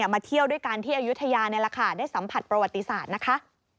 มาเที่ยวด้วยกันที่อายุทยานี่แหละค่ะได้สัมผัสประวัติศาสตร์นะคะ